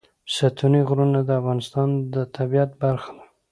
ستوني غرونه د افغانستان د طبیعت برخه ده.